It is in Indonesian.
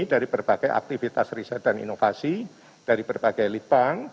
dari berbagai aktivitas riset dan inovasi dari berbagai lidbang